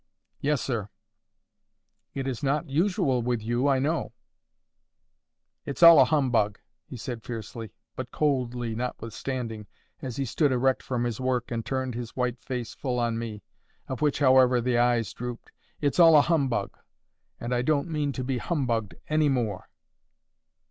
"Yes, sir." "It is not usual with you, I know." "It's all a humbug!" he said fiercely, but coldly notwithstanding, as he stood erect from his work, and turned his white face full on me—of which, however, the eyes drooped—"It's all a humbug; and I don't mean to be humbugged any more."